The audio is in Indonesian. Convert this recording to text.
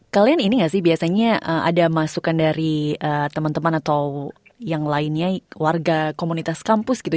kalian ini gak sih biasanya ada masukan dari teman teman atau yang lainnya warga komunitas kampus gitu